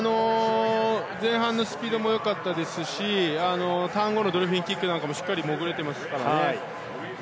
前半のスピードも良かったですしターン後のドルフィンキックもしっかり潜れてますからね。